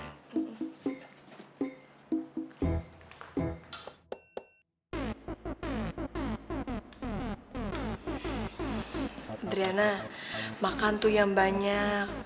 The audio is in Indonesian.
driana makan tuh yang banyak